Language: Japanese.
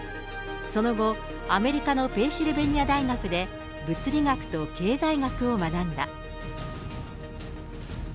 その後、アメリカのペンシルバニア大学で物理学と経済学を学んだ。